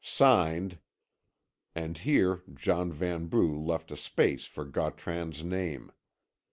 "Signed ." And here John Vanbrugh left a space for Gautran's name.